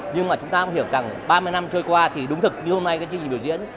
nhưng mà chúng ta cũng hiểu rằng ba mươi năm trôi qua thì đúng thực như hôm nay cái chương trình biểu diễn